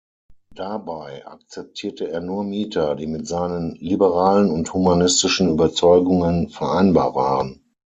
Dabei akzeptierte er nur Mieter, die mit seinen liberalen und humanistischen Überzeugungen vereinbar waren.